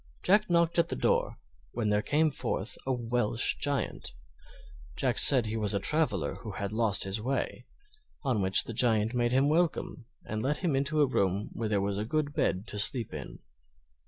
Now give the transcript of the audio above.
Jack knocked at the door, when there came forth a Welsh Giant. Jack said he was a traveler who had lost his way, on which the Giant made him welcome and let him into a room where there was a good bed to sleep in.